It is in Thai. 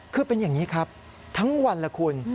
คือเป็นอย่างนี้ครับทั้งวันละคุณ